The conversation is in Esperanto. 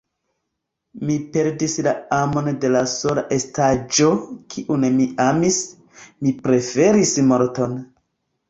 Mi perdis la amon de la sola estaĵo, kiun mi amis; mi preferis morton.